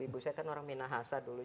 ibu saya kan orang minahasa dulu